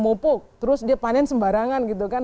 pupuk terus dia panen sembarangan gitu kan